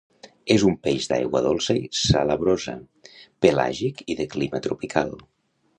És un peix d'aigua dolça i salabrosa, pelàgic i de clima tropical.